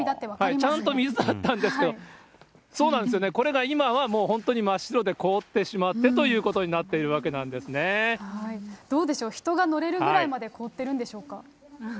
ちゃんと水だったんですけれども、そうなんですよね、これが今はもう本当に真っ白で凍ってしまってということになってどうでしょう、人が乗れるくらいまで凍ってるんでしょうか。